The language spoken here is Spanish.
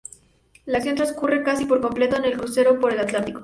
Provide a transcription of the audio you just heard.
La acción transcurre casi por completo en un crucero por el Atlántico.